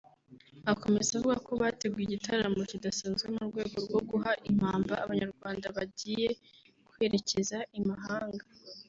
Akomeza avuga ko bateguye igitaramo kidasanzwe mu rwego rwo guha impamba Abanyarwanda bagiye kwerekeza i Mahanga